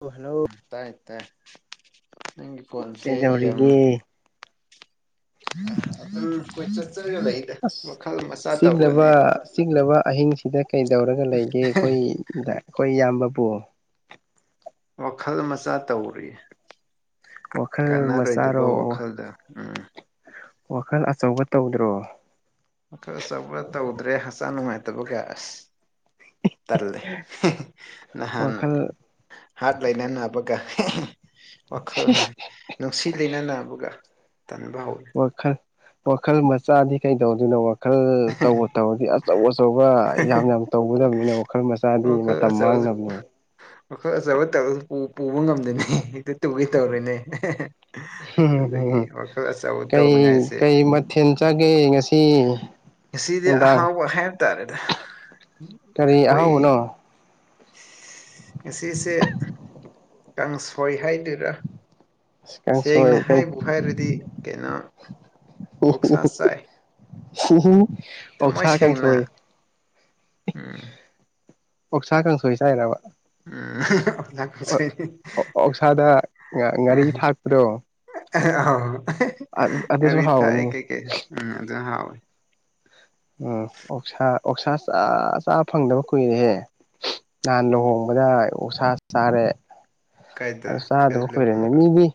Hello ꯇꯥꯏ ꯅꯪꯒꯤ ꯐꯣꯟꯁꯦ ꯌꯥꯝ ꯀꯩꯗꯧꯔꯤꯒꯦ ꯑꯗꯨꯝ ꯀꯣꯏꯆꯠ ꯆꯠꯂꯒ ꯂꯩꯗ ꯑꯁ ꯋꯥꯈꯜ ꯃꯆꯥ ꯆꯤꯛꯂꯕ ꯇꯧꯔꯒꯅꯦ ꯆꯤꯛꯂꯕ ꯑꯍꯤꯡꯁꯤꯗ ꯀꯩꯗꯧꯔꯒ ꯂꯩꯒꯦ ꯑꯩꯈꯣꯏꯗ ꯑꯩꯈꯣꯏ ꯏꯌꯥꯝꯕꯕꯨ ꯋꯥꯈꯜ ꯃꯆꯥ ꯇꯧꯔꯤ ꯋꯥꯈꯜ ꯀꯥꯟꯅꯔꯣꯏꯗꯕ ꯃꯆꯥꯔꯣ ꯋꯥꯈꯜꯗ ꯎꯝ ꯋꯥꯈꯜ ꯑꯆꯧꯕ ꯇꯧꯗ꯭ꯔꯣ ꯋꯥꯈꯜ ꯑꯆꯧꯕ ꯇꯧꯗ꯭ꯔꯦ ꯍꯛꯆꯥꯡ ꯅꯨꯡꯉꯥꯏꯇꯕꯒ ꯑꯁ ꯇꯜꯂꯦ ꯅꯍꯥꯟ ꯋꯥꯈꯜ ꯍꯥꯠ ꯂꯩꯅ ꯅꯥꯕꯒ ꯋꯥꯈꯜ ꯅꯨꯡꯁꯤ ꯂꯩꯅ ꯅꯥꯕꯒ ꯇꯟꯕ ꯍꯧꯔꯦ ꯋꯥꯈꯜ ꯋꯥꯈꯜ ꯃꯆꯥꯗꯤ ꯀꯩꯗꯧꯗꯣꯏꯅꯣ ꯋꯥꯈꯜ ꯇꯧꯕ ꯇꯧꯔꯗꯤ ꯑꯆꯧ ꯑꯆꯧꯕ ꯌꯥꯝ ꯌꯥꯝ ꯇꯧꯒꯗꯕꯅꯤꯅ ꯋꯥꯈꯜ ꯃꯆꯥꯗꯤ ꯋꯥꯈꯜ ꯃꯇꯝ ꯑꯆꯧꯕ ꯃꯥꯡꯅꯕꯅꯦ ꯋꯥꯈꯜ ꯑꯆꯧꯕ ꯇꯧꯕ ꯄꯨꯕ ꯉꯝꯗꯦꯅꯦ ꯍꯦꯛꯇ ꯇꯨꯒꯦ ꯇꯧꯔꯦꯅꯦ ꯑꯗꯨꯒꯤ ꯋꯥꯈꯜ ꯑꯆꯧꯕ ꯇꯧꯅꯤꯉꯥꯏꯁꯦ ꯒ ꯉꯁꯤ ꯉꯁꯤꯗꯤ ꯅꯨꯡꯗꯥꯡ ꯑꯍꯥꯎꯕ ꯍꯥꯏꯕ ꯇꯥꯔꯦꯗ ꯀꯔꯤ ꯑꯩꯈꯣꯏ ꯑꯍꯥꯎꯕꯅꯣ ꯉꯁꯤꯁꯦ ꯀꯥꯡ ꯁꯣꯏ ꯍꯥꯏꯗꯣꯏꯔ ꯀꯥꯡꯁꯣꯏ ꯀꯩ ꯀꯩꯅꯣ ꯎ ꯑꯣꯛꯁꯥ ꯆꯥꯏ ꯊꯃꯣꯏ ꯑꯣꯛꯁꯥ ꯀꯥꯡꯁꯣꯏ ꯁꯦꯡꯅ ꯎꯝ ꯑꯣꯛꯁꯥ ꯀꯥꯡꯁꯣꯏ ꯆꯥꯏꯔꯕ ꯎꯝ ꯑꯣꯛꯁꯥ ꯀꯥꯡꯁꯣꯏꯅꯤ. ꯑꯣꯛꯁꯥꯗ ꯉꯥꯔꯤ ꯊꯥꯛꯄꯗꯣ ꯑꯗꯨꯁꯨ ꯉꯥꯔꯤ ꯊꯥꯛꯑꯦ ꯍꯥꯎꯕꯅꯤꯅꯦ ꯀꯩ ꯀꯩ ꯎꯝ ꯎꯝ ꯑꯣꯛꯁꯥ ꯑꯣꯛꯁꯥ ꯆꯥ ꯆꯥ ꯐꯪꯗꯕ ꯀꯨꯏꯔꯦꯍꯦ ꯅꯍꯥꯟ ꯂꯨꯍꯣꯡꯕꯗ ꯑꯣꯛꯁꯥ ꯆꯥꯔꯦ ꯑ ꯀꯥꯏꯗ ꯀꯥꯏꯗ ꯆꯥꯗꯕ ꯀꯣꯏꯔꯦꯅꯦ ꯂꯨꯍꯣꯡꯕ ꯃꯤꯗꯤ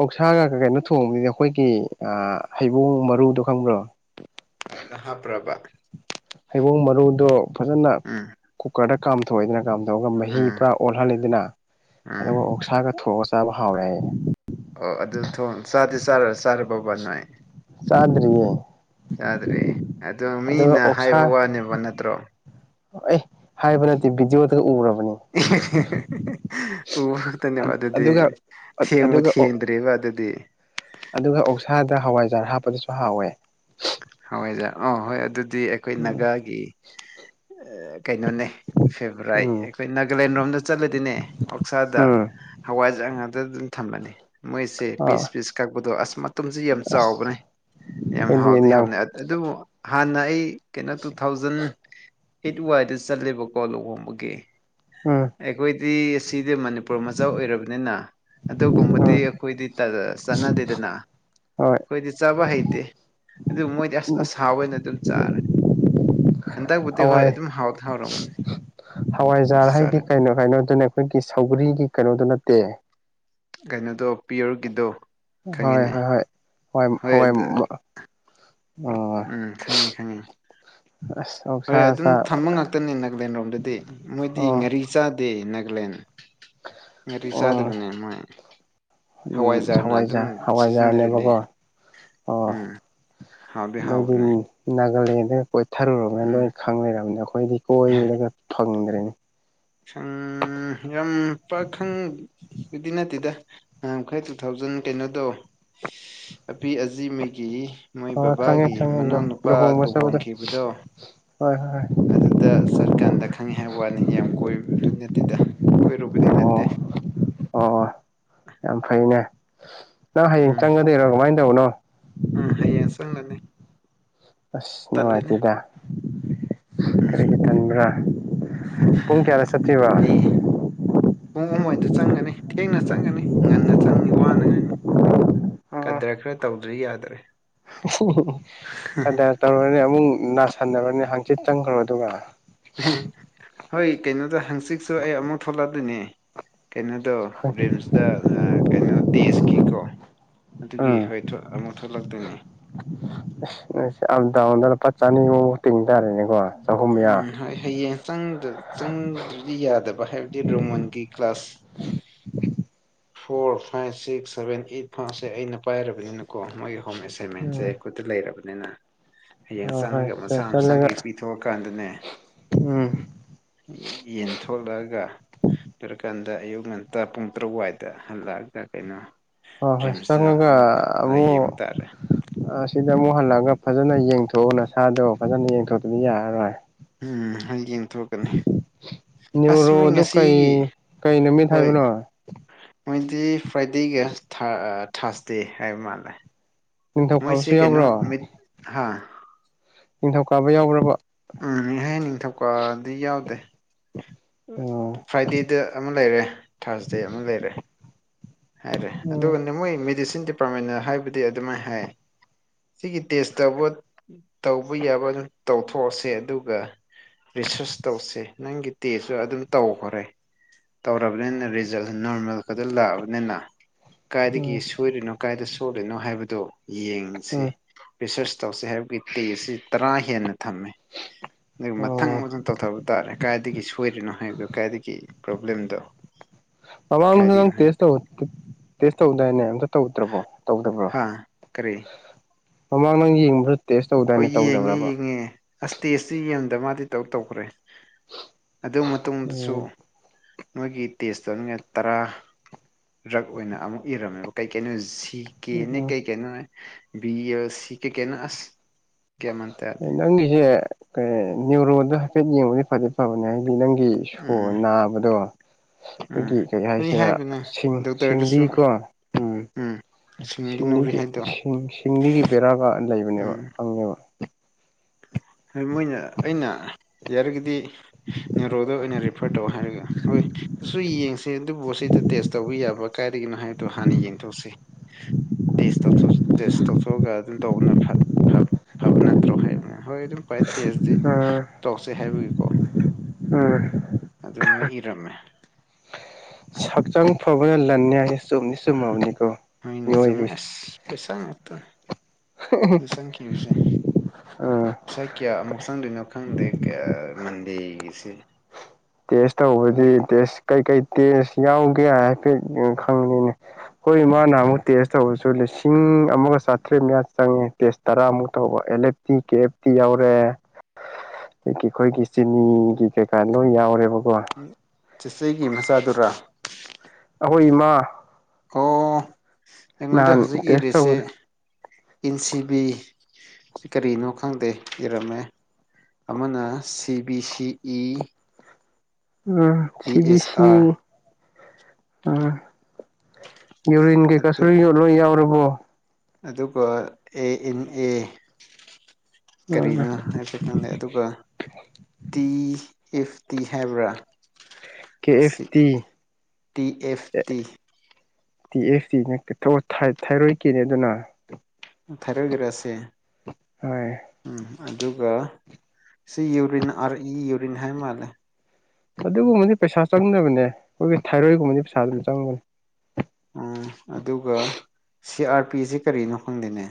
ꯑꯣꯛꯁꯥꯒ ꯀꯩꯅꯣ ꯊꯣꯡꯕꯅꯤꯅ ꯑꯩꯈꯣꯏꯒꯤ ꯍꯩꯕꯣꯡ ꯃꯔꯨꯗꯣ ꯈꯪꯕ꯭ꯔꯣ ꯑ ꯍꯥꯞꯄ꯭ꯔꯚ ꯍꯩꯕꯣꯡ ꯃꯔꯨꯗꯣ ꯐꯖꯅ ꯎꯝ ꯀꯨꯀꯔꯗ ꯀꯥꯝꯊꯣꯛꯑꯦꯗꯅ ꯀꯝ ꯇꯣꯛꯑꯒ ꯃꯍꯤ ꯎꯝ ꯄꯨꯔꯥ ꯑꯣꯜꯍꯜꯂꯤꯗꯅ ꯎꯝ ꯑꯗꯨꯒ ꯑꯣꯛꯁꯥꯒ ꯊꯣꯛꯑꯒ ꯆꯥꯕ ꯍꯥꯎꯋꯦ ꯍꯥꯏꯌꯦ ꯑꯣ ꯑꯗꯨ ꯊꯣꯡ ꯆꯥꯗꯤ ꯆꯥꯔꯔ ꯆꯥꯔꯔꯕꯕ ꯅꯣꯏ ꯆꯥꯗꯔꯤꯌꯦ ꯆꯥꯗ꯭ꯔꯦ ꯑꯗꯣ ꯃꯤꯅ ꯑꯣꯛꯁꯥ ꯍꯥꯏꯕ ꯋꯥꯅꯦꯕ ꯅꯠꯇ꯭ꯔꯣ ꯑꯦ ꯍꯥꯏꯕ ꯅꯠꯇꯦ ꯕꯤꯗꯤꯑꯣꯗ ꯎꯔꯕ ꯎꯕ ꯈꯛꯇꯅꯦ ꯑꯗꯨꯗꯤ ꯑꯗꯨꯒ ꯊꯦꯡꯕ ꯑꯗꯨꯒ ꯊꯦꯡꯗꯔꯤꯕ ꯑꯗꯨꯗꯤ ꯑꯗꯨꯒ ꯑꯣꯛꯁꯥꯗ ꯍꯋꯥꯏꯖꯥꯔ ꯍꯥꯞꯄꯗꯁꯨ ꯍꯥꯎꯋꯦ ꯍꯋꯥꯏꯖꯥꯔ ꯑ ꯍꯣꯏ ꯑꯗꯨꯗꯤ ꯑꯩꯈꯣꯏ ꯎꯝ ꯅꯒꯥꯒꯤ ꯀꯩꯅꯣꯅꯦ ꯐꯦꯕꯣꯔꯥꯏꯠ ꯎꯝ ꯑꯩꯈꯣꯏ ꯅꯥꯒꯥꯂꯦꯟꯔꯣꯝꯗ ꯆꯠꯂꯗꯤꯅꯦ ꯑꯣꯛꯁꯥꯗ ꯎꯝ ꯍꯋꯥꯏꯖꯥꯔ ꯉꯛꯇ ꯑꯗꯨꯝ ꯊꯝꯂꯅꯤ ꯃꯣꯏꯁꯦ ꯑꯥ ꯄꯤꯁ ꯄꯤꯁ ꯀꯛꯄꯗꯣ ꯑꯁ ꯃꯇꯁꯦ ꯌꯥꯝ ꯑꯁ ꯆꯥꯎꯕꯅꯦ ꯌꯥꯝ ꯑꯩꯈꯣꯏꯗꯤ ꯍꯥꯎ ꯌꯥꯝ ꯅꯪ ꯑꯗꯨꯕꯨ ꯍꯥꯟꯅ ꯑꯩ ꯀꯩꯅꯣ ꯇꯨ ꯊꯥꯎꯖꯟ ꯍꯠ ꯋꯥꯏꯗ ꯆꯠꯂꯦꯕꯀꯣ ꯂꯨꯍꯣꯡꯕꯒꯤꯦ ꯎꯝ ꯑꯩꯈꯣꯏꯗꯤ ꯁꯤꯗꯤ ꯃꯅꯤꯄꯨꯔ ꯃꯆꯥ ꯑꯣꯏꯔꯕꯅꯤꯅ ꯑꯗꯨꯒꯨꯝꯕꯗꯤ ꯎꯝ ꯑꯩꯈꯣꯏꯗꯤ ꯆꯠꯅꯗꯦꯗꯅ ꯍꯣꯏ ꯑꯩꯈꯣꯏꯗꯤ ꯆꯥꯕ ꯍꯩꯇꯦ ꯑꯗꯨ ꯃꯣꯏꯗꯤ ꯑꯁ ꯑꯁ ꯍꯥꯎꯏꯅ ꯑꯗꯨꯝ ꯆꯥꯔꯦ ꯍꯟꯗꯛꯕꯨꯗꯤꯤ ꯍꯣꯏ ꯍꯋꯥꯏ ꯑꯗꯨꯝ ꯍꯥꯎ ꯍꯥꯎꯔꯝꯃꯅꯤ ꯍꯋꯥꯏꯖꯥꯔ ꯍꯥꯏꯗꯤ ꯀꯩꯅꯣ ꯀꯩꯅꯣꯗꯨꯅ ꯑꯩꯈꯣꯏꯒꯤ ꯁꯧꯒ꯭ꯔꯤꯒꯤ ꯀꯩꯅꯣꯗꯨ ꯅꯠꯇꯦ ꯀꯩꯅꯣꯗꯣ ꯄꯤꯔꯔꯨꯒꯤꯗꯣ ꯍꯣꯏ ꯍꯣꯏ ꯍꯣꯏ ꯑꯗꯨ ꯍ ꯍ ꯎꯝ ꯈꯪꯉꯤ ꯈꯪꯉꯤ ꯑꯁ ꯍꯣꯏ ꯑꯣꯛꯁꯥ ꯑꯗꯨꯝ ꯆꯥ ꯊꯝꯕ ꯉꯥꯛꯇꯅꯤ ꯅꯥꯒꯂꯦꯟꯔꯣꯝꯗꯗꯤ ꯃꯣꯏꯗꯤ ꯑꯣ ꯉꯥꯔꯤ ꯆꯥꯗꯦ ꯃꯔꯤ ꯁꯥꯗꯕꯅꯦ ꯃ ꯎꯝ ꯍꯋꯥꯏꯖꯥꯔ ꯍꯋꯥꯏꯖꯥꯔꯅꯦꯕꯀꯣ ꯑ ꯎꯝ ꯍꯥꯎꯗꯤ ꯅꯪꯗꯤ ꯍꯥꯎꯕꯅꯦ ꯅꯥꯒꯥꯂꯦꯟꯗꯅ ꯀꯣꯏꯊꯔꯨꯔꯕꯅꯤꯅ ꯎꯝ ꯂꯣꯏ ꯈꯪ ꯂꯩꯔꯕꯅꯤ ꯑꯩꯈꯣꯏꯗꯤ ꯀꯣꯏꯕꯒ ꯐꯪꯗ꯭ꯔꯦꯅꯤ ꯑ ꯎꯝ ꯌꯥꯝ ꯄꯈꯪꯕꯗꯤ ꯅꯠꯇꯦꯗ ꯈꯔ ꯇꯨ ꯊꯥꯎꯖꯟ ꯀꯩꯅꯣꯗꯣ ꯑꯄꯤ ꯑꯖꯤ ꯃꯒꯤ ꯃꯣꯏ ꯑ ꯈꯪꯉꯦ ꯕꯕꯥꯒꯤ ꯈꯪꯉꯦ ꯃꯅꯥꯎꯅꯨꯄꯥ ꯂꯨꯍꯣꯡꯕ ꯆꯠꯄꯗꯣ ꯂꯨꯍꯣꯡꯈꯤꯕꯗꯣ ꯍꯣꯏ ꯍꯣꯏ ꯑꯗꯨꯗ ꯆꯔꯀꯥꯟꯗ ꯈꯪꯉꯤ ꯍꯥꯏꯕ ꯋꯥꯅꯤ ꯌꯥꯝ ꯀꯣꯏꯕꯗꯨꯅꯤ ꯑꯗꯨꯗ ꯀꯣꯏꯔꯨꯕꯗꯤ ꯍꯣꯏ ꯑꯣ ꯅꯠꯇꯦ ꯑꯣ ꯑꯐꯅꯦ ꯅꯪ ꯍꯌꯦꯡ ꯎꯝ ꯆꯪꯒꯗꯣꯏꯔꯣ ꯀꯃꯥꯏꯅ ꯇꯧꯕꯅꯣ ꯎꯝ ꯍꯌꯦꯡ ꯆꯪꯒꯅꯤ ꯑꯁ ꯇꯜꯂꯤꯅꯦ ꯅꯨꯡꯉꯥꯏꯇꯦꯗ ꯎꯝ ꯀꯔꯤꯒ ꯇꯟꯕ꯭ꯔꯥ ꯄꯨꯡ ꯀꯌꯥꯗ ꯆꯠꯇꯣꯏꯕ ꯃꯤ ꯎꯃꯣꯏꯗ ꯆꯪꯒꯅꯤ ꯊꯦꯡꯅ ꯆꯪꯒꯅꯤ ꯉꯟꯅ ꯆꯪꯅꯤ ꯋꯥꯅꯉꯥꯏꯅꯤ ꯎꯝ ꯀꯗ꯭ꯔ ꯈꯔ ꯇꯧꯗ꯭ꯔꯤ ꯌꯥꯗ꯭ꯔꯦ ꯀꯗꯥꯏ ꯇꯧꯔꯨꯔꯅꯤ ꯑꯃꯨꯛ ꯅꯥꯁꯟꯅꯔꯅꯤ ꯍꯥꯡꯆꯤꯠ ꯆꯪꯈ꯭ꯔꯣ ꯑꯗꯨꯒ ꯍꯣꯏ ꯀꯩꯅꯣꯗ ꯍꯪꯆꯤꯠꯁꯨ ꯑꯩ ꯑꯃꯨꯛ ꯊꯣꯛꯂꯛ ꯑꯗꯨꯣꯏꯅꯦ ꯀꯩꯅꯣꯗꯣ ꯔꯤꯝꯁꯇ ꯀꯩꯅꯣ ꯇꯦꯖꯀꯤꯀꯣ ꯑꯗꯨꯒꯤ ꯎꯝ ꯍꯣꯏ ꯑꯃꯨꯛ ꯊꯣꯛꯂꯛꯇꯣꯏꯅꯦ ꯄꯥꯠ ꯆꯥꯅꯤ ꯃ ꯇꯤꯡ ꯇꯥꯔꯦꯅꯦꯀꯣ ꯆꯍꯨꯝ ꯎꯝ ꯃꯌꯥ ꯍꯌꯦꯡ ꯆꯪꯗ꯭ꯔꯗꯤ ꯌꯥꯗꯕ ꯍꯥꯏꯕꯗꯤ ꯔꯣꯃꯟꯒꯤ class four five six seven eight ꯐꯥꯁꯦ ꯑꯩꯅ ꯄꯥꯏꯔꯕꯅꯤꯅꯀꯣ ꯃꯣꯏꯒꯤ ꯍꯣꯝ ꯑꯦꯁꯥꯏꯟꯃꯦꯟꯁꯦ ꯎꯝ ꯈꯨꯈꯠꯇ ꯂꯩꯔꯕꯅꯤꯅ ꯍꯌꯦꯡ ꯍꯣꯏ ꯍꯣꯏ ꯆꯪꯉꯒ ꯃꯁꯥ ꯃꯁꯥꯒꯤ ꯆꯠꯂꯒ ꯄꯤꯊꯣꯛꯑꯀꯥꯟꯗꯅꯦ ꯎꯝ ꯌꯦꯟ ꯊꯣꯛꯂꯛꯑꯒ ꯄꯔꯀꯥꯟꯗ ꯑꯗ ꯑꯌꯨꯛ ꯉꯟꯇꯥ ꯄꯨꯡ ꯇꯔꯨꯛ ꯋꯥꯏꯗ ꯍꯜꯂꯛꯑꯒ ꯀꯩꯅꯣ ꯍ ꯍꯣꯏ ꯆ ꯔꯤꯝꯁꯇ ꯀꯒ ꯑꯃꯨꯛ ꯑꯕꯨꯡꯉꯣ ꯌꯦꯡꯕ ꯇꯥꯔꯦ ꯁꯤꯗ ꯑꯃꯨꯛ ꯍꯜꯂꯛꯑꯒ ꯐꯖꯅ ꯌꯦꯡꯊꯣꯛꯎ ꯅꯁꯥꯥꯗꯣ ꯐꯖꯅ ꯌꯦꯡꯊꯣꯛꯇꯗꯤ ꯌꯥꯔꯔꯣꯏ ꯎꯝ ꯍꯌꯦꯡ ꯀꯅꯤ ꯑꯁ ꯃ ꯅ꯭ꯌꯨꯔꯣꯗꯣ ꯉꯁꯤꯒꯤ ꯀꯩ ꯀꯩ ꯅꯨꯃꯤꯠ ꯍꯣꯏ ꯍꯥꯏꯕꯅꯣ ꯃꯣꯏꯗꯤ ꯐ꯭ꯔꯥꯏꯗꯦꯒ ꯊꯥꯔꯁꯗꯦ ꯍꯥꯏꯕ ꯃꯥꯜꯂꯦ ꯃꯣꯏ ꯁꯤ ꯅꯤꯡꯊꯧꯀꯥꯕꯁꯨ ꯀꯩꯅꯣ ꯌꯥꯎꯕ꯭ꯔꯣ ꯃ ꯍꯥ ꯅꯤꯡꯊꯧꯀꯥꯕ ꯌꯥꯎꯈ꯭ꯔꯕ ꯎꯝ ꯍꯌꯦꯡ ꯅꯤꯡꯊꯧꯀꯥꯗꯤ ꯌꯥꯎꯗꯦ ꯎꯝ ꯐ꯭ꯔꯥꯏꯗꯦꯗ ꯑꯃ ꯂꯩꯔꯦ ꯊꯥꯔꯁ ꯗꯦ ꯑꯃ ꯂꯩꯔꯦ ꯍꯥꯏꯔꯦ ꯎꯝ ꯑꯗꯨꯒꯅꯦ ꯃꯣꯏ ꯃꯦꯗꯤꯁꯤꯟ ꯗꯤꯄꯥꯔꯠꯃꯦꯟꯗ ꯍꯥꯏꯕꯗꯤ ꯑꯗꯨꯃꯥꯏꯅ ꯍꯥꯏ ꯁꯤꯒꯤ ꯇꯦꯁ ꯇꯧꯕ ꯇꯧꯕ ꯌꯥꯕ ꯑꯗꯨꯝ ꯇꯧꯊꯣꯛꯑꯁꯦ ꯑꯗꯨꯒ ꯔꯤꯁꯔꯁ ꯇꯧꯁꯦ ꯅꯪꯒꯤ ꯇꯦꯁꯨ ꯑꯗꯨꯝ ꯇꯧꯈꯔꯦ ꯇꯧꯔꯕꯅꯤꯅ ꯔꯤꯖꯜ ꯅꯣꯔꯃꯦꯜ ꯈꯛꯇ ꯂꯥꯛꯑ ꯅꯅ ꯀꯥꯏꯏꯗꯒꯤ ꯎꯝ ꯁꯣꯏꯔꯤꯅꯣ ꯀꯗꯥꯥꯏꯗ ꯁꯣꯛꯜꯂꯤꯅꯣ ꯍꯥꯏꯕꯗꯣ ꯌꯦꯡꯁꯤ ꯔꯤꯁꯔꯁ ꯇꯧꯁ ꯍꯥꯏꯕꯒꯤ ꯇꯦꯁꯤ ꯇꯔꯥ ꯍꯦꯟꯅ ꯊꯝꯃꯦ ꯑꯗꯨꯒ ꯃꯊꯪ ꯎꯝ ꯃꯊꯪ ꯇꯧꯊꯕ ꯇꯥꯔꯦ ꯀꯗꯥꯥꯏꯏꯗꯒꯤ ꯁꯣꯏꯔꯤꯅꯣ ꯍꯥꯏꯕꯗꯣ ꯀꯥꯏꯏꯗꯒꯤ ꯄ꯭ꯔꯣꯕ꯭ꯂꯦꯝꯗ ꯑꯃꯥꯡ ꯇꯦꯁꯇ ꯇꯦꯁꯇ ꯍꯗꯅꯦ ꯇꯧꯗ꯭ꯔꯕꯣ ꯇꯧꯗꯕ꯭ꯔꯣ ꯍꯥ ꯀꯔꯤ ꯃꯃꯥꯡ ꯅꯪ ꯌꯦꯡꯕ꯭ꯔꯥ ꯇꯦꯁ ꯇꯧꯗꯥꯏꯅꯦ ꯇꯧꯗꯕ꯭ꯔꯕ ꯑꯁꯇꯦꯖꯇꯤ ꯌꯦꯡꯗꯕ ꯃꯥꯗꯤ ꯇꯧ ꯇꯧꯈ꯭ꯔꯦ ꯑꯗꯨ ꯃꯇꯨꯡꯗꯁꯨ ꯎꯝ ꯅꯣꯏꯒꯤ ꯇꯦꯁꯇꯣ ꯅꯅ ꯇꯔꯥ ꯔꯛ ꯑꯣꯏꯅ ꯑꯃꯨꯛ ꯏꯔꯝꯃꯦꯕ ꯀꯩ ꯀꯩꯅꯣ ꯁꯤ ꯀꯦ ꯅ ꯎꯝ ꯀꯩ ꯀꯩꯅꯣ ꯕꯤ ꯁꯤ ꯀꯦ ꯀꯩꯅꯣ ꯑꯁ ꯒ꯭ꯌꯥꯟ ꯃꯥꯟ ꯇꯥꯗꯦ ꯅꯪꯒꯤꯁꯦ ꯀ ꯅꯅꯤꯌꯨꯔꯣꯜꯗ ꯍꯥꯏꯐꯦꯠ ꯌꯦꯡꯕꯗꯤ ꯐꯖꯦꯠ ꯐꯕꯅꯦ ꯍꯥꯏ ꯑꯗꯨꯒꯤ ꯅꯪꯒꯤ ꯁꯣ ꯎꯝ ꯅꯥꯕꯗꯣ ꯎꯝ ꯑꯩꯈꯣꯏꯒꯤ ꯀꯩ ꯑꯩ ꯍꯥꯏꯁꯤꯔ ꯍꯥꯏꯕꯅꯦ ꯗꯣꯛꯇꯔꯗꯁꯨ ꯁꯤꯡꯂꯤꯀꯣ ꯎꯝ ꯁꯤꯡꯒꯤ ꯅꯧꯔꯤ ꯁꯤꯡꯂꯤꯒꯤ ꯍꯥꯏꯗꯣ ꯁꯤꯡꯂꯤꯒꯤ ꯕꯦꯔꯥꯒ ꯂꯩꯕꯅꯦꯕ ꯎꯝ ꯍꯪꯉꯦꯕ ꯃꯣꯏꯅ ꯑꯩꯅ ꯌꯥꯔꯒꯗꯤ ꯅꯦꯔꯣꯗ ꯑꯣꯏꯅ ꯔꯤꯐꯔ ꯇꯧ ꯍꯥꯏꯔꯒ ꯍꯣꯏ ꯑꯗꯨꯁꯨ ꯌꯦꯡꯁꯦ ꯑꯗꯨꯕꯨ ꯁꯤꯗ ꯇꯦꯁ ꯇꯧꯕ ꯌꯥꯕ꯭ꯔꯥ ꯀꯥꯏꯗꯒꯤꯅꯣ ꯍꯥꯏꯗꯣ ꯍꯥꯟꯅ ꯌꯦꯡꯊꯣꯛꯁꯦ ꯇꯁ ꯇꯦꯁ ꯇꯧꯊꯣꯛꯑꯒ ꯑꯗꯨꯝ ꯇꯧꯕꯅ ꯐꯕ ꯅꯠꯇ꯭ꯔꯣ ꯍꯥꯏꯕꯅꯤ ꯍꯣꯏ ꯑꯗꯨꯝ ꯈꯋꯥꯏ ꯇꯦꯖꯇ ꯎꯝ ꯇꯧꯁꯦ ꯍꯥꯏꯕꯒꯤ ꯎꯝ ꯑꯗꯨꯗ ꯃꯣꯏ ꯏꯔꯝꯃꯦ ꯁꯛꯆꯥꯡ ꯐꯕꯅ ꯂꯥꯟꯅꯤ ꯁꯨꯝꯅꯤ ꯁꯅꯤ ꯍꯅꯦ ꯆ ꯃ ꯑꯁ ꯄꯁꯉꯁꯪ ꯀꯁꯦ ꯎꯝ ꯉꯁꯥꯏ ꯀꯌꯥ ꯑꯃꯨꯛ ꯆꯪꯗꯣꯏꯅꯣ ꯈꯪꯗꯦ ꯃꯟꯗꯦꯒꯤꯁꯤꯦ ꯇꯦꯁ ꯇꯧꯕꯗꯤ ꯇꯦꯁ ꯀꯩꯀꯩ ꯇꯦꯁ ꯌꯥꯎꯒꯦ ꯍꯥꯏꯐꯦꯠ ꯈꯪꯕꯅꯤꯅꯦ ꯍꯣꯏ ꯏ ꯃꯥꯅ ꯑꯃꯨꯛ ꯇꯦꯁ ꯇꯧꯕꯔꯁꯨ ꯂꯤꯁꯤꯡ ꯄꯨꯡ ꯑꯃꯒ ꯆꯥꯇ꯭ꯔꯦꯠ ꯃꯌꯥ ꯆꯪꯉꯦ ꯇꯦꯁ ꯇꯔꯥꯃꯨꯛ ꯇꯧꯕ L F T K F T ꯌꯥꯎꯔꯦ ꯑ ꯑꯩꯈꯣꯏꯒꯤ ꯆꯤꯅꯤꯒꯤ ꯀꯩꯀꯥ ꯅꯣꯏ ꯌꯥꯎꯔ ꯆꯆꯒꯤ ꯃꯆꯥꯗꯨꯔꯥ ꯑꯩꯈꯣꯏ ꯏꯃ ꯑꯣ ꯑꯩꯉꯣꯟꯗ ꯍꯧꯖꯤꯛ ꯇꯦꯁ ꯏꯜꯂꯤꯁꯤꯦ ꯇꯧꯕꯗ ꯏꯟ ꯁꯤ ꯕꯤ ꯀꯔꯤꯅꯣ ꯈꯪꯗꯦ ꯏꯔꯝꯃꯦ ꯑꯃꯅ ꯁꯤ ꯕꯤ ꯁꯤ ꯏ ꯎꯝ ꯏ ꯁꯤꯕꯤ ꯑꯦꯁ ꯁꯤ ꯑꯥꯔ ꯑ ꯌꯨꯔꯤꯟꯒꯤꯩ ꯀꯁꯨ ꯑꯗꯨ ꯌꯣꯠꯂꯣ ꯌꯥꯎꯔꯕꯣ ꯑꯗꯨꯒ ꯑꯦ ꯏꯟ ꯑꯦ ꯎꯝ ꯀꯔꯤꯅꯣ ꯍꯥꯏꯐꯦꯠ ꯈꯪꯂ ꯑꯗꯨꯒ ꯇꯤ ꯏꯐꯇꯤ ꯍꯥꯏꯕ꯭ꯔꯥ K F T T F T T S ꯇꯤꯅ ꯊꯥꯏꯔꯣꯏ ꯀꯦꯅꯦ ꯑꯗꯨꯅ ꯊꯥꯏꯔꯣꯏꯒꯔꯛꯁꯦ ꯍꯣꯏ ꯎꯝ ꯑꯗꯨꯒ ꯁꯤ ꯌꯎꯔꯤꯟ ꯏ ꯌꯎꯔꯤꯟ ꯍꯥꯏ ꯃꯥꯂꯦ ꯑꯗꯨꯒꯨꯝꯕꯗꯤ ꯄꯩꯁꯥ ꯆꯪꯗꯅꯕꯅꯦ ꯑꯩꯈꯣꯏꯒꯤ ꯊꯥꯏꯔꯣꯏꯒꯨꯝꯕꯗꯤ ꯄꯩꯁꯥ ꯑꯗꯨꯝ ꯆꯪꯕꯅꯤ ꯎꯝ ꯑꯗꯨꯒ ꯁꯤ ꯑꯥꯔ ꯄꯤꯁꯤ ꯀꯔꯤꯅꯣ ꯈꯪꯗꯦꯅꯦ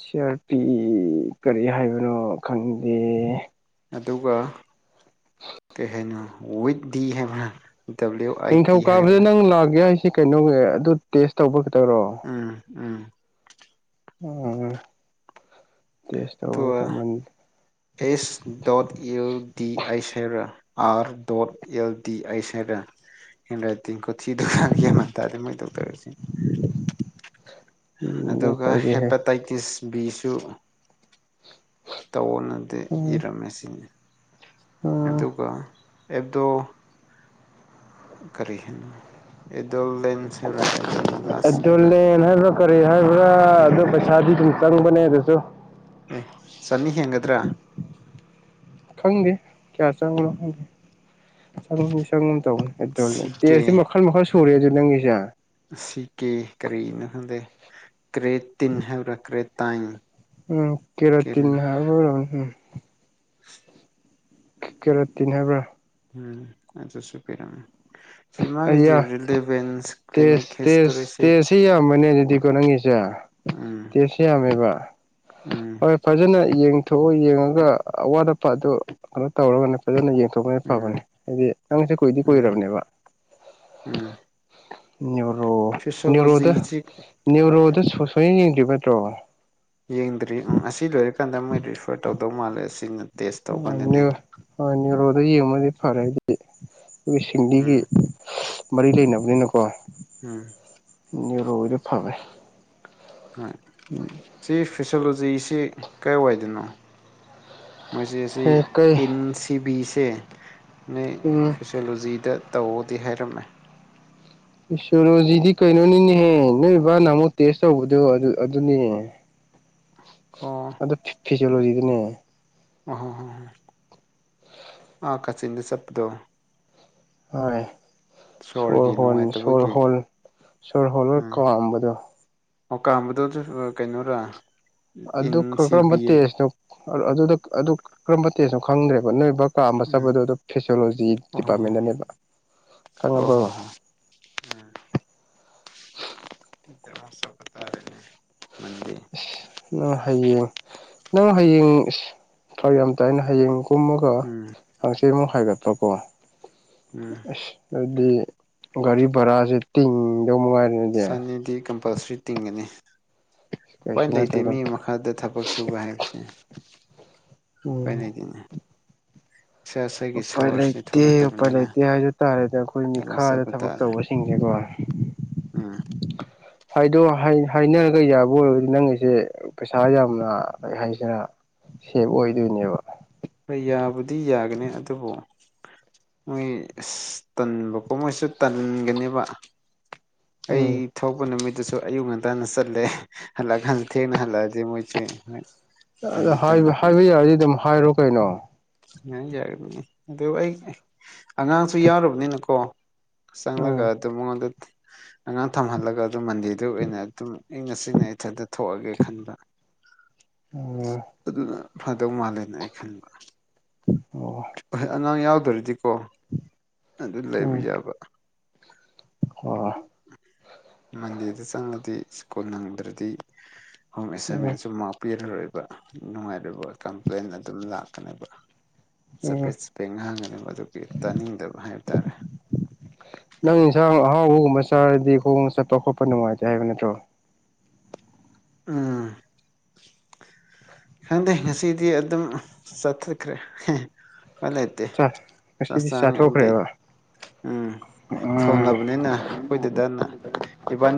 ꯁꯤꯑꯥꯔꯄꯤ ꯀꯔꯤ ꯍꯥꯏꯕꯅꯣ ꯈꯪꯗꯦ꯫ ꯑꯗꯨꯒ ꯀꯩ ꯍꯥꯏꯅꯣ ꯋꯤꯠ ꯗꯤ ꯍꯥꯏꯕꯔ꯫ ꯅꯤꯡꯊꯧꯀꯥꯕꯗ ꯅꯪ ꯂꯥꯛꯒꯦ ꯍꯥꯏꯁꯦ ꯀꯩꯅꯣꯒꯦ ꯑꯗꯨ ꯇꯦꯁ ꯇꯧꯕ ꯈꯇꯔꯣ꯫ ꯎꯝ ꯎꯝ ꯎꯝ꯫ ꯇꯦꯁ ꯇꯧꯕ ꯑꯗꯨꯒ ꯈꯛꯇꯃꯟ ꯑꯦꯁ ꯗꯣꯠ ꯑꯦꯜ ꯗꯤ ꯍꯩꯁ ꯍꯩꯕꯔꯥ꯫ ꯑꯥꯔ ꯗꯣꯠ ꯑꯦꯜ ꯗꯤ ꯑꯩ ꯍꯥꯏꯔꯥ꯫ ꯍꯦꯟ ꯔꯥꯏꯇꯤꯡ ꯀꯊꯤꯗꯨꯒ ꯒꯦꯝ ꯃꯥꯟ ꯇꯥꯗꯦ ꯃꯣꯏ ꯗꯣꯛꯇ꯭ꯔꯁꯤ꯫ ꯑꯗꯨꯒ ꯗꯣꯛꯇꯔꯒꯤꯍꯦ ꯍꯦꯄꯥꯇꯥꯏꯇꯤꯁ꯫ ꯕꯤꯁꯨ ꯇꯧꯑꯣꯅꯗꯤ ꯎꯝ ꯏꯔꯝꯃꯦ ꯁꯤꯅꯤ꯫ ꯎꯝ ꯑꯗꯨꯒ ꯑꯦꯕꯗꯣ꯫ ꯀꯔꯤ [unintelligible] ꯍꯥꯏꯕ꯭ꯔꯥ ꯑꯦꯗꯣꯂꯥꯁ ꯍꯥꯏꯕ꯭ꯔꯥ ꯗꯣꯂꯦꯟ ꯍꯥꯏꯕ꯭ꯔ ꯀꯔꯤ ꯍꯥꯏꯕ꯭ꯔ ꯎꯝ ꯑꯗꯨ ꯄꯩꯁꯥꯗꯤ [unintelligible] ꯆꯪꯕꯅꯦ ꯑꯗꯨꯁꯨ꯫ ꯆꯅꯤ ꯍꯦꯟꯒꯗ꯭ꯔꯥ꯫ ꯈꯪꯗꯦ ꯀꯌꯥ ꯆꯪꯕꯅꯣ [unintelligible] [unintelligible] ꯁꯤ ꯀꯦ ꯇꯦꯁꯇꯤ ꯃꯈꯜ ꯃꯈꯜ ꯁꯨꯔꯦ ꯑꯗꯨ ꯅꯪꯒꯤꯁꯦ꯫ ꯁꯤ ꯀꯦ ꯀꯔꯤꯅꯣ ꯈꯪꯗꯦ ꯀ꯭ꯔꯦ ꯇꯤꯟ ꯍꯥꯏꯕ꯭ꯔꯥ ꯀ꯭ꯔꯦ ꯇꯥꯏꯟ꯫ ꯎꯝ ꯀꯦꯔꯣꯇꯤꯟ ꯍꯥꯏꯕ ꯑꯣꯏꯔꯝ ꯎꯝ꯫ [inaudible] ꯀꯦꯔꯣꯇꯤꯟ ꯍꯥꯏꯕ꯭ꯔꯥ꯫ ꯎꯝ ꯑꯗꯨꯁꯨ ꯄꯤꯔꯝꯃꯦ꯫ ꯁꯤ ꯃꯥꯒꯤꯁꯦ ꯑꯩꯌꯥ ꯔꯤꯂꯤꯚꯦꯟꯁ ꯇꯦꯖ ꯀ꯭ꯂꯤꯅꯤꯛ ꯇꯦꯖ ꯍꯤꯁꯇꯣꯔꯤꯁꯤ ꯇꯦꯖ ꯁꯤ ꯌꯥꯝꯕꯅꯦ ꯑꯗꯨꯗꯤꯀꯣ ꯅꯪꯒꯤꯁꯦ꯫ ꯎꯝ ꯇꯦꯁ ꯌꯥꯝꯃꯦꯕ ꯎꯝ ꯍꯣꯏ ꯐꯖꯅ꯫ ꯌꯦꯡꯊꯣꯛꯑꯣ ꯌꯦꯡꯉꯒ ꯑꯋꯥꯠ ꯑꯄꯥ ꯑꯗꯨ ꯀꯩꯅꯣ ꯇꯧꯔꯒꯅꯦ ꯐꯖꯅ ꯌꯦꯡ ꯊꯣꯛꯄꯅ ꯎꯝ ꯐꯕꯅꯦ ꯍꯥꯏꯗꯤ ꯅꯪꯁꯦ ꯀꯨꯏꯗꯤ ꯎꯝ ꯀꯨꯏꯔꯕꯅꯦꯕ꯫ ꯎꯝ꯫ ꯅ꯭ꯌꯨꯔꯣ ꯅ꯭ꯌꯨꯔꯣꯗ ꯐꯤꯁꯣꯂꯣꯖꯤꯁꯤ ꯅ꯭ꯌꯨꯔꯣꯗ ꯁꯣ ꯁꯨꯌꯦꯡ ꯌꯦꯡꯗ꯭ꯔꯤꯕ ꯅꯠꯇ꯭ꯔꯣ꯫ ꯌꯦꯡꯗ꯭ꯔꯤ ꯎꯝ ꯑꯁꯤ ꯂꯣꯏꯔꯀꯥꯟꯗ ꯃꯣꯏ ꯔꯤꯐꯔ ꯇꯧꯗꯧ ꯃꯥꯜꯂꯦ ꯑꯁꯤꯅ꯫ [unintelligible] ꯑ ꯅ꯭ꯌꯨꯔꯣꯗ ꯌꯦꯡꯕꯅꯗꯤ ꯐꯔꯦ [inaudible] ꯗꯤ꯫ ꯁꯤꯡꯂꯤꯒꯤ ꯎꯝ ꯃꯔꯤ ꯂꯩꯅꯕꯅꯤꯅꯀꯣ꯫ ꯎꯝ ꯅ꯭ꯌꯨꯔꯣꯒꯤꯗꯣ ꯐꯕꯦ꯫ ꯍꯣꯏ ꯁꯤ ꯐꯤꯁꯣꯂꯣꯖꯤꯁꯤ ꯀꯥꯏ ꯋꯥꯏꯗꯅꯣ꯫ ꯃꯁꯤ ꯁꯤ ꯍꯦ ꯀꯩ ꯑꯤꯟ ꯁꯤ ꯕꯤꯁꯦ꯫ ꯅꯣꯏ ꯎꯝ ꯐꯣꯁꯣꯂꯣꯖꯤꯗ ꯇꯧꯑꯣꯗꯤ ꯍꯥꯏꯔꯝꯃꯦ꯫ ꯏꯁꯣꯂꯣꯖꯤꯗꯤ ꯀꯩꯅꯣꯅꯤꯅꯦꯍꯦ ꯅꯣꯏ ꯕꯥꯅ ꯑꯃꯨꯛ ꯇꯦꯁ ꯇꯧꯕꯗꯣ ꯑꯗꯨꯅꯦ꯫ ꯑꯣ ꯑꯗꯨ ꯐꯤ ꯐꯤꯖꯣꯂꯣꯖꯤꯗꯅꯦ꯫ ꯑꯣ ꯍꯣ ꯍꯣ ꯀꯥꯆꯤꯟꯗ ꯆꯠꯄꯗꯣ꯫ ꯍꯣꯏ꯫ ꯁꯣꯔ ꯁꯣꯔꯒꯤ ꯍꯣꯟ ꯁꯣꯔ ꯅꯨꯡꯉꯥꯏꯇꯕꯒꯤ ꯍꯣꯟ ꯁꯣꯔ ꯍꯣꯜꯂ ꯎꯝ ꯀꯥꯝꯕꯗꯣ꯫ ꯑꯣ ꯀꯥꯝꯕꯗꯨ ꯗꯨ ꯑ ꯀꯩꯅꯣꯔ꯫ ꯑꯗꯨ ꯀꯔ ꯀꯔꯝꯕ ꯇꯦꯁꯅꯣ ꯑꯗꯨꯗ ꯑꯗꯨ ꯀꯔꯝꯕ ꯇꯦꯁꯅꯣ ꯈꯪꯗ꯭ꯔꯦꯕ ꯅꯣꯏꯕꯥ꯫ ꯀꯥꯝꯕ ꯎꯝ ꯆꯠꯄꯗꯣ ꯑꯗꯨ ꯐꯦꯁꯤꯌꯣꯂꯣꯖꯤ ꯗꯤꯄꯥꯔꯠꯃꯦꯟꯗꯅꯦꯕ꯫ ꯑꯣ ꯈꯪꯉꯕꯣ ꯍꯣ ꯍꯣ ꯎꯝ꯫ [unintelligible] ꯏꯁ ꯅꯪ ꯍꯌꯦꯡ ꯅꯪ ꯍꯌꯦꯡ ꯏꯁ ꯐ꯭ꯔꯛ ꯌꯥꯝ ꯇꯥꯏꯅ ꯍꯌꯦꯡ꯫ ꯀꯨꯝꯃꯒ ꯎꯝ ꯍꯪꯆꯤꯠꯃꯨꯛ ꯍꯥꯏꯒꯠꯄꯀꯣ ꯎꯝ ꯑꯁ ꯑꯗꯨꯗꯤ꯫ ꯒꯥꯔꯤ ꯚꯔꯥꯁꯦ ꯇꯤꯗꯧ ꯃꯉꯥꯏꯔ ꯆꯟꯅꯤꯗꯤ ꯀꯝꯄꯜꯁ꯭ꯔꯤ ꯇꯤꯡꯉꯅꯤ꯫ ꯎꯄꯥꯏ ꯀꯩꯁꯨ ꯂꯩꯇꯦ ꯅꯠꯇꯗ ꯃꯤ ꯃꯈꯥꯗ ꯊꯕꯛ ꯁꯨꯕ ꯍꯥꯏꯕꯁꯦ꯫ ꯎꯄꯥꯏ ꯎꯝ ꯂꯩꯗꯦꯅꯦ꯫ ꯎꯄꯥꯏ ꯂꯩꯇꯦ ꯎꯄꯥꯏ ꯊꯣꯛꯂꯛꯇꯕꯅꯤꯅ ꯂꯩꯇꯦ ꯍꯥꯏꯖ ꯇꯥꯔꯦꯗꯤ ꯑꯩꯈꯣꯏ ꯑꯗꯨꯝ ꯃꯤꯈꯥꯗ ꯆꯠꯄ ꯊꯕꯛ ꯇꯥꯔꯦ ꯇꯧꯕꯁꯤꯡꯁꯦꯀꯣ ꯎꯝ ꯐꯥꯏꯗꯦ ꯑꯥꯏꯅ ꯍꯥꯏꯅꯔꯒ ꯌꯥꯕ ꯑꯣꯏꯔꯒꯗꯤ ꯅꯪꯒꯤꯁꯦ ꯄꯩꯁꯥ ꯌꯥꯝꯅ ꯂ ꯍꯥꯏꯁꯤꯅ ꯎꯝ ꯍꯣꯏ ꯌꯥꯕꯨꯗꯤ ꯌꯥꯒꯅꯤ ꯑꯗꯨꯕꯨ ꯃꯣꯏ ꯇꯟꯕꯀꯣ ꯃꯣꯏꯁꯨ ꯇꯟꯒꯅꯦꯕ ꯑꯩ ꯎꯝ ꯊꯣꯛꯄ ꯅꯨꯃꯤ ꯑꯗꯨꯁꯨ ꯑꯌꯨꯛ ꯉꯟꯇꯥꯅ ꯆꯠꯂꯦ ꯍꯜꯂꯛꯑꯀꯥꯟꯁꯨ ꯊꯦꯡꯅ ꯍꯜꯂꯛꯑꯗꯤ ꯃꯣꯏꯁꯨ ꯑ ꯇꯟꯗꯤ ꯍꯥꯏꯕ ꯇꯜꯂꯛꯀꯅꯤ ꯌꯥꯔꯗꯤ ꯑꯗꯨꯝ ꯍꯥꯏꯔꯣ ꯀꯩꯅꯣ ꯌꯥ ꯌꯥꯒꯅꯤꯅꯤ ꯑꯗꯨ ꯑꯩ ꯑꯉꯥꯡꯁꯨ ꯌꯥꯎꯔꯕꯅꯤꯅꯀꯣ ꯆꯪꯂꯒ ꯎꯝ ꯑꯗꯨꯝ ꯃꯉꯣꯟꯗ ꯑꯉꯥꯡ ꯊꯝꯍꯜꯂꯒ ꯑꯗꯨꯝ ꯃꯟꯗꯦꯗꯨ ꯑꯣꯏꯅ ꯑꯗꯨꯝ ꯑꯩꯪ ꯉꯁꯤꯅ ꯏꯊꯟꯗ ꯊꯣꯛꯑꯒꯦ ꯈꯟꯕ ꯎꯝ ꯑꯗꯨꯅ ꯐꯗꯧ ꯃꯥꯜꯂꯦꯅ ꯑꯩ ꯈꯟꯕ ꯑꯣ ꯍꯣꯏ ꯑꯉꯥꯡ ꯌꯥꯎꯗꯔꯤꯗꯤꯀꯣ ꯑꯗꯨ ꯂꯩꯕ ꯎꯝ ꯌꯥꯕ ꯑꯣ ꯃꯟꯗꯤꯦꯗ ꯆꯪꯂꯗꯤ ꯁ꯭ꯀꯨꯜ ꯅꯪꯗ꯭ꯔꯗꯤ ꯍꯣꯝ ꯎꯝ ꯑꯦꯁꯥꯏꯟꯃꯦꯟꯁꯨ ꯃꯥꯛꯄꯤꯤꯔꯔꯣꯏꯕ ꯅꯨꯡꯉꯥꯏꯔꯕ ꯀꯝꯄ꯭ꯂꯦꯟ ꯑꯗꯨꯝ ꯂꯥꯛꯀꯅꯦꯕ ꯎꯝ ꯆꯄꯦꯠ ꯆꯄꯦꯠ ꯉꯥꯡꯉꯅꯤ ꯃꯗꯨꯒꯤ ꯇꯥꯅꯤꯡꯗꯕ ꯍꯥꯏꯕ ꯇꯥꯔꯦ ꯅꯪ ꯏꯁꯥꯡ ꯆꯔꯗꯤ ꯈꯣꯡ ꯆꯠꯄ ꯈꯣꯠꯄ ꯅꯨꯡꯉꯥꯏꯇꯦ ꯍꯥꯏꯕ ꯅꯠꯇ꯭ꯔꯣ ꯎꯝ ꯈꯪꯗꯦ ꯉꯁꯤꯗꯤ ꯑꯗꯨꯝ ꯆꯠꯊꯠꯈ꯭ꯔꯦ ꯐꯂꯇꯦ ꯆꯥ ꯉꯁꯤꯗꯤ ꯆꯁꯅ ꯑꯦꯥꯏ ꯆꯥꯊꯣꯛꯈ꯭ꯔꯦꯕ ꯎꯝ ꯎꯝ ꯊꯣꯡꯂꯕꯅꯤꯅ ꯑꯩꯈꯣꯏꯗꯨꯗꯅ ꯏꯕꯥꯅꯤ